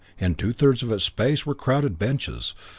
In two thirds of its space were crowded benches.